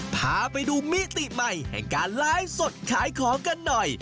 พาไปดูมิติใหม่แห่งการไลฟ์สดขายของกันหน่อย